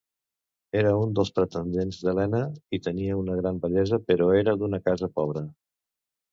Era un dels pretendents d'Helena i tenia una gran bellesa però era d'una casa pobra.